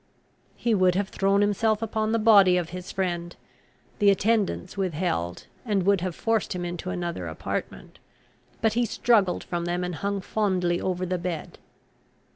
He would have thrown himself upon the body of his friend; the attendants withheld, and would have forced him into another apartment. But he struggled from them, and hung fondly over the bed.